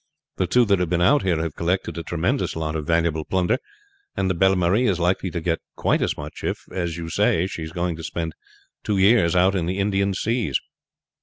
The two that have been out here have collected a tremendous lot of valuable plunder, and the Bell Marie is likely to get quite as much if, as you say, she is going to spend two years out in the Indian seas.